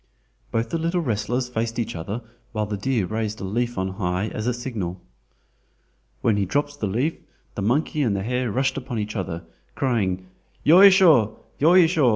Both the little wrestlers faced each other while the deer raised a leaf on high as signal. When he dropped the leaf the monkey and the hare rushed upon each other, crying "Yoisho, yoisho!"